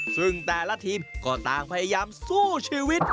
ซึ่งแต่ละทีมก็ต่างพยายามสู้ชีวิต